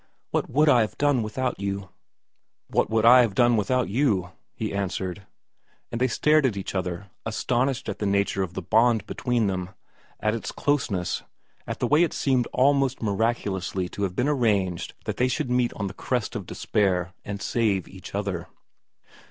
' What would I have done without you ?'' But what would I have done without you ?' he answered ; and they stared at each other, astonished at the nature of the bond between them, at its closeness, at the way it seemed almost miraculously to have been arranged that they should meet on the crest of despair and save each other.